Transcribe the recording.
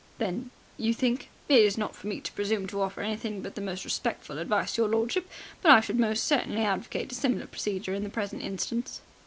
"Then you think ?" "It is not for me to presume to offer anything but the most respectful advice, your lordship, but I should most certainly advocate a similar procedure in the present instance."